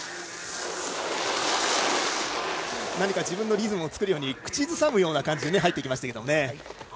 自分のリズムを作るように口ずさむような感じで入ってきましたけれども。